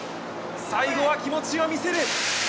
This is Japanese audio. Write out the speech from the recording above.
最後は気持ちを見せる。